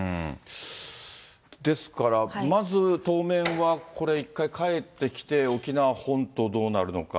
ですからまず当面は、これ一回帰ってきて沖縄本島どうなるのか。